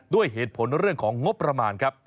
ด้วยเหตุผลเรื่องของงบประมาณครับ